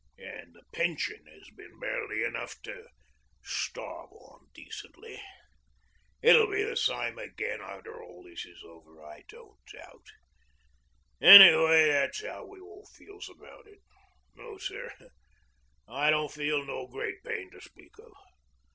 An' the pension 'as been barely enough to starve on decently. It'll be the same again arter all this is over I don't doubt. Any'ow that's 'ow we all feels about it. No, sir, I don't feel no great pain to speak of.